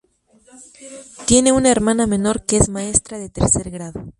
Tiene una hermana menor que es maestra de tercer grado.